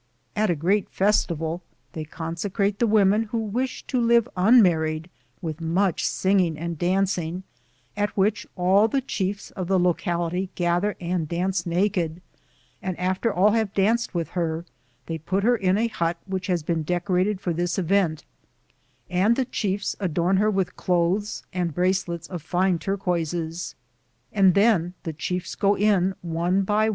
At a great festival they con secrate the women who wish to live unmar ried, with much singing and dancing, at which all the chiefs of the locality gather and dance naked, and after all have danced with her they put her in a hut that haa been decorated for this event and the chiefs adorn her with clothes and bracelets of fine tur quoises, and then the chiefs go in one by 84 am Google THE JODKNET OP CORONADO.